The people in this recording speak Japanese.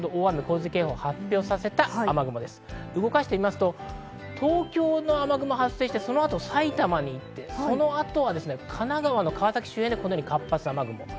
動かすと東京の雨雲が発生して、そのあと埼玉に行ってそのあとは神奈川の川崎周辺で活発な雨雲。